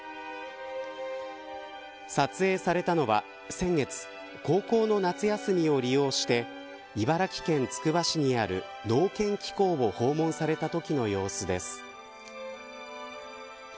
撮影されたのは先月高校の夏休みを利用して茨城県つくば市にある農研機構を訪問されたときの様子です。